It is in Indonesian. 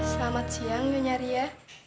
selamat siang nyonya ria